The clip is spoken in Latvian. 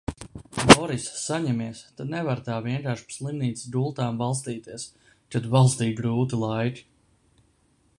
Boriss saņemies, te nevar tā vienkārši pa slimnīcas gultām valstīties, kad valstī grūti laiki!